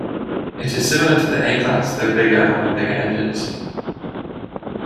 It is similar to the A-Class, though bigger and with bigger engines.